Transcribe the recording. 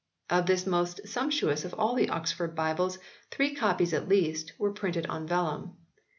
Of this most sumptuous of all the Oxford Bibles three copies at least were printed on vellum.